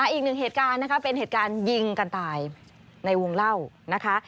อีกหนึ่งเหตุการณ์นะคะเป็นเหตุการณ์ยิงกันตายในวงเล่านะคะ